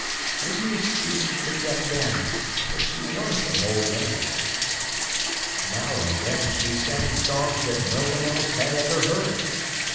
We used even to forget then that she was an old maid. Now and then she sang songs that no one else had ever heard.